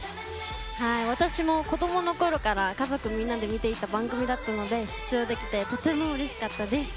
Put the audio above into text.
私も子どものころから家族みんなで見ていた番組だったので出場できてとてもうれしかったです。